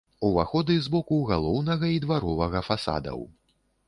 Уваходы з боку галоўнага і дваровага фасадаў.